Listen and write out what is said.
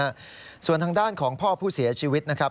แล้วก็ลุกลามไปยังตัวผู้ตายจนถูกไฟคลอกนะครับ